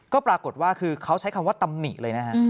ก็ปรากฏว่าคือเขาใช้คำว่าตำหนิเลยนะฮะ